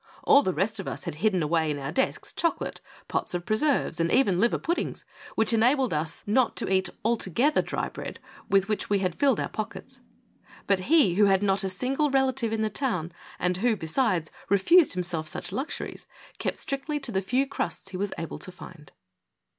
All the rest of us had hidden away in our desks chocolate, pots of preserves and even liver puddings, which enabled us not to eat altogether dry bread with which we had filled our pockets. But he, who had not a single relative in the town, and who, besides, refused himself such luxuries, kept strictly to the few crusts he was able to find.